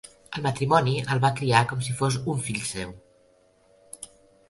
El matrimoni el va criar com si fos un fill seu.